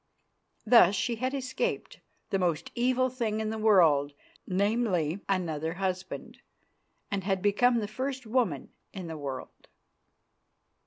Thus she had escaped "the most evil thing in the world, namely, another husband," and had become the first woman in the world.